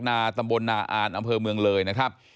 นาตำบลนาอ่านอำเภอเมืองเลยนะครับ